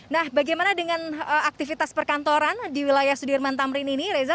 nah bagaimana dengan aktivitas perkantoran di wilayah sudirman tamrin ini reza